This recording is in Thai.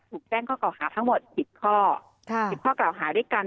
ถูกแจ้งข้อเก่าหาทั้งหมด๑๐ข้อ๑๐ข้อกล่าวหาด้วยกัน